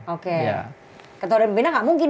oke ketua dan pembina nggak mungkin